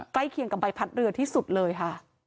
เคียงกับใบพัดเรือที่สุดเลยค่ะ